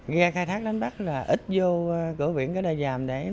gia khai thác đánh bắt là ít vô cửa biển cá đa dàm